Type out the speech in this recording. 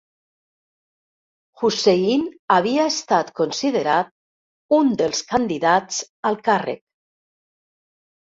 Hussein havia estat considerat un dels candidats al càrrec.